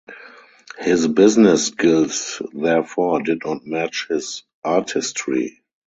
His business skills therefore did not match his artistry.